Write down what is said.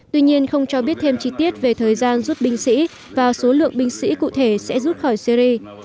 tuy nhiên không cho biết thêm chi tiết về thời gian rút binh sĩ và số lượng binh sĩ cụ thể sẽ rút khỏi syri